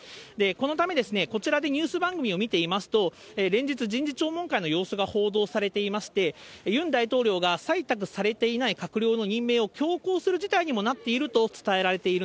このため、こちらでニュース番組を見ていますと、連日、人事聴聞会の様子が報道されていまして、ユン大統領が採択されていない閣僚の任命を強行する事態にもなっなるほど。